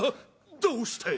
どうして！？